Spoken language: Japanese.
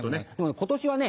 今年はね。